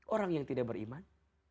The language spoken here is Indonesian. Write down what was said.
orang yang tidak beriman